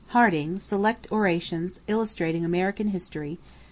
= Harding, Select Orations Illustrating American History, pp.